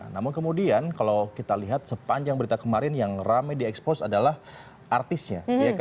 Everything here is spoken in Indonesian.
namun kemudian kalau kita lihat sepanjang berita kemarin yang rame di expose adalah artisnya